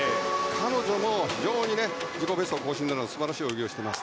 彼女も非常に自己ベスト更新など素晴らしい泳ぎをしています。